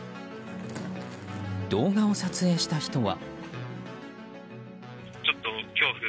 動画を撮影した人は。